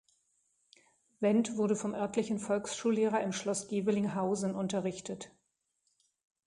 Wendt wurde vom örtlichen Volksschullehrer im Schloss Gevelinghausen unterrichtet.